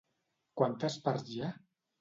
Quantes parts hi ha?